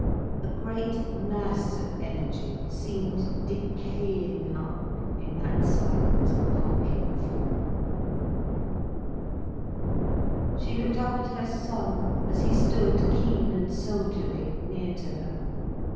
A great mass of energy seemed decaying up in that silent, hulking form. She looked up at her son, as he stood, keen and soldierly, near to her.